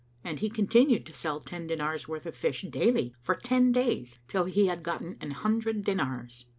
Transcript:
And he continued to sell ten dinars' worth of fish daily for ten days, till he had gotten an hundred dinars.